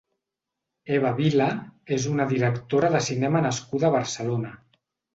Eva Vila és una directora de cinema nascuda a Barcelona.